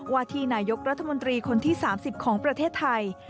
ว่าที่นายกรัฐมนตรีคนที่๓๐ของประเทศไทย